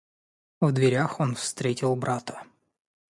В дверях он встретил брата.